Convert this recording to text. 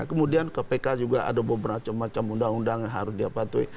pemimpin kpk juga ada beberapa macam undang undang yang harus dipatuhi